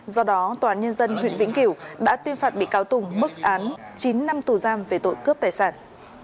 do đó tòa án nhân dân huyện vĩnh kiều đã tuyên phạt bị cáo tùng bức án chín năm tù giam về tội cướp tài sản